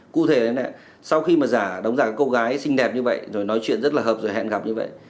cụ thể là sau khi mà giả đóng giả cô gái xinh đẹp như vậy rồi nói chuyện rất là hợp rồi hẹn gặp như vậy